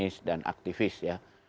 mungkin orang orang aktivis ya